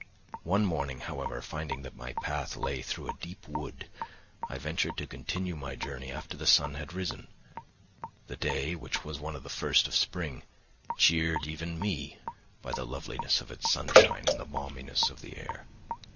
One morning, however, finding that my path lay through a deep wood, I ventured to continue my journey after the sun had risen; the day, which was one of the first of spring, cheered even me by the loveliness of its sunshine and the balminess of the air.